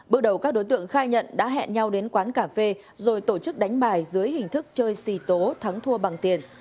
bước đầu các đối tượng khai nhận đã hẹn nhau đến quán cà phê rồi tổ chức đánh bài dưới hình thức chơi xì tố thắng thua bằng tiền